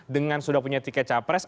dengan sudah punya tiket capres